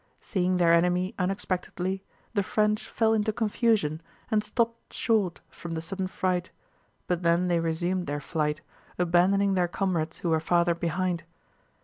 Seeing their enemy unexpectedly the French fell into confusion and stopped short from the sudden fright, but then they resumed their flight, abandoning their comrades who were farther behind.